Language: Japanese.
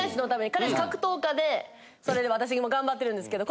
彼氏格闘家でそれで私今頑張ってるんですけど。